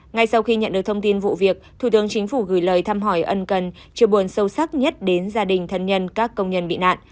ngay sau khi nhận được thông tin vụ việc thủ tướng chính phủ gửi lời thăm hỏi ân cần chiều buồn sâu sắc nhất đến gia đình thân nhân các công nhân bị nạn